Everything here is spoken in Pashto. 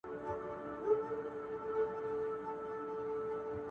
سمدستي یې د مرګي مخي ته سپر کړي؛